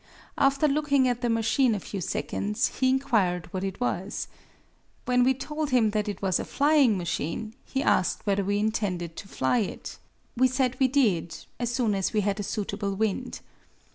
After looking at the machine a few seconds he inquired what it was. When we told him it was a flying machine he asked whether we intended to fly it. We said we did, as soon as we had a suitable wind.